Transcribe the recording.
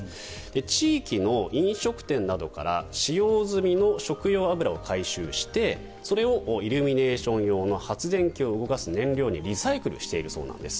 地域の飲食店などから使用済みの食用油を回収してそれをイルミネーション用の発電機を動かす燃料にリサイクルしているそうです。